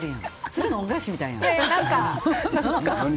鶴の恩返しみたいやん。